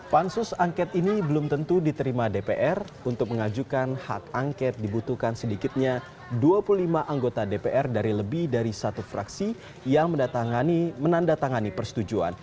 pansus angket ini belum tentu diterima dpr untuk mengajukan hak angket dibutuhkan sedikitnya dua puluh lima anggota dpr dari lebih dari satu fraksi yang menandatangani persetujuan